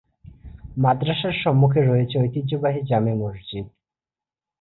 মাদ্রাসার সম্মুখে রয়েছে ঐতিহ্যবাহী জামে মসজিদ।